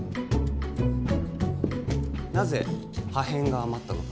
なぜ破片が余ったのか？